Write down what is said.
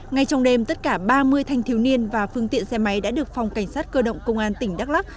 ngay trong đêm tất cả ba mươi thanh thiếu niên và phương tiện xe máy đã được phòng cảnh sát cơ động công an tỉnh đắk lắc